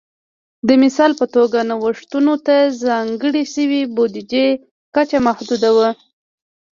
د مثال په توګه نوښتونو ته ځانګړې شوې بودیجې کچه محدوده وه